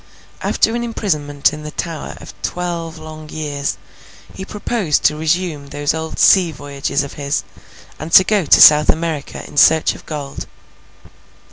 After an imprisonment in the Tower of twelve long years, he proposed to resume those old sea voyages of his, and to go to South America in search of gold.